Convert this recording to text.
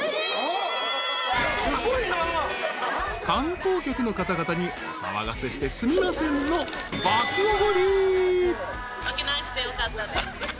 ［観光客の方々にお騒がせしてすみませんの爆おごり］